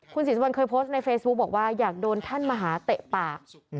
คุณศิษย์สวนเคยโพสต์ในเฟซบุ๊กบอกว่าอยากโดนท่านมหาตะปลา